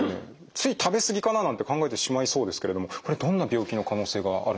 つい食べすぎかな？なんて考えてしまいそうですけれどもこれどんな病気の可能性があるんですか？